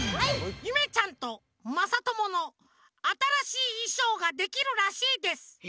ゆめちゃんとまさとものあたらしいいしょうができるらしいです。